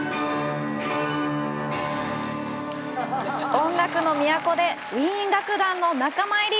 音楽の都で、ウィーン楽団の仲間入り！